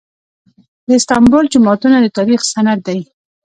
د استانبول جوماتونه د تاریخ سند دي.